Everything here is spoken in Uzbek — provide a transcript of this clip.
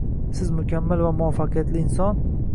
Siz mukammal va muvaffaqiyatli inson